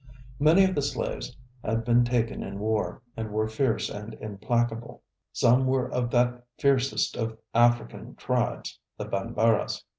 Many of the slaves had been taken in war, and were fierce and implacable. Some were of that fiercest of African tribes, the Banbaras.